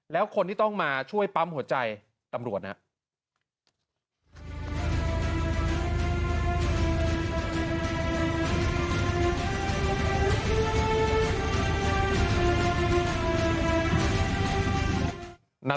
แล้วคนที่ต้องมาช่วยปั๊มหัวใจตำรวจนะครับ